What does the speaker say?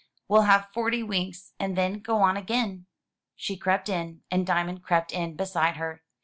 We'll have forty winks, and then go on again." She crept in, and Diamond crept in beside her.